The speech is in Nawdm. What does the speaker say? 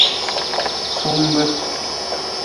Sumbe.